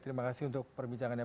terima kasih untuk perbincangannya